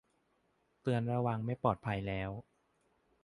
เตือนระวังไม่ปลอดภัยแล้ว